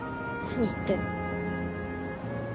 何言ってんの？